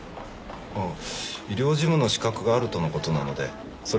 あ医療事務の資格があるとの事なのでそれ